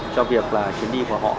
cho việc là chuyến đi của họ